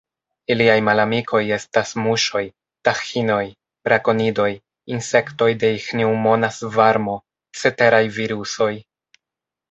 Iliaj malamikoj estas muŝoj, taĥinoj, brakonidoj, insektoj de iĥneŭmona svarmo, ceteraj virusoj.